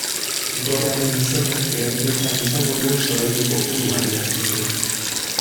Dorrearen izenak, eraikuntzak izango duen solairu kopurua adierazten du.